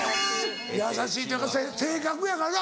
優しいというか性格やからな。